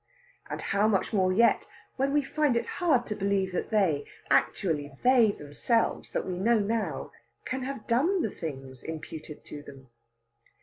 And how much more yet, when we find it hard to believe that they actually they themselves, that we know now can have done the things imputed to them.